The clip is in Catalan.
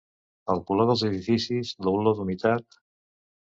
El color dels edificis, l'olor d'humitat...